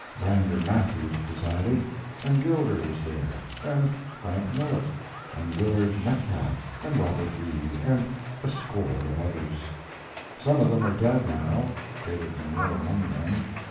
Brander Matthews presided, and Gilder was there, and Frank Millet and Willard Metcalf and Robert Reid, and a score of others; some of them are dead now, David Munro among them.